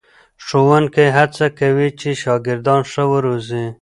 ښوونکي هڅه کوي چې شاګردان ښه وروزي.